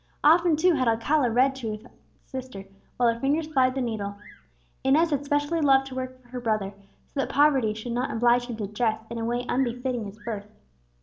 Often too had Alcala read aloud to his sister, while her fingers plied the needle. Inez had specially loved to work for her brother, that so poverty should not oblige him to dress in a way unbefitting his birth.